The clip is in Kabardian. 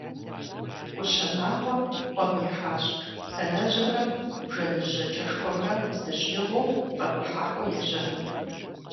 КӀущэ Нагъуэ Ӏуэм ихьащ Танэжьымрэ Бжэныжь ЖьакӀэшхуэмрэ здыщӀигъуу къэкӀухьакӀуэ ежьэну.